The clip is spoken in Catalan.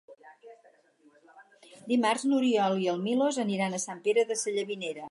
Dimarts n'Oriol i en Milos aniran a Sant Pere Sallavinera.